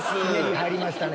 入りましたね